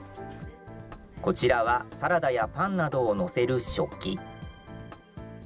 こちらはサラダやパンなどを載せる食器。